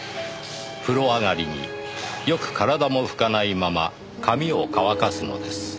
「風呂上がりによく体も拭かないまま髪を乾かすのです」